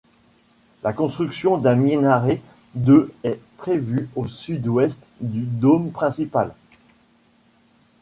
La construction d'un minaret de est prévue au sud-ouest du dôme principal.